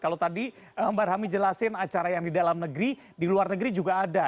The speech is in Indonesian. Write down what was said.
kalau tadi mbak rahmi jelasin acara yang di dalam negeri di luar negeri juga ada